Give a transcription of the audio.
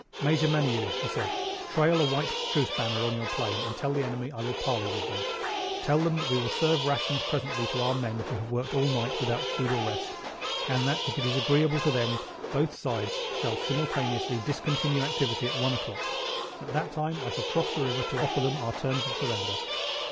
"Major Maniu," he said, "trail a white banner of truce on your plane and tell the enemy I will parley with them. Tell them that we will serve rations presently to our men who have worked all night without food or rest, and that if it is agreeable to them, both sides shall simultaneously discontinue activity at one o'clock. At that time I shall cross the river to offer them our terms of surrender."